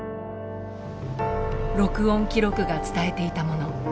録音記録が伝えていたもの。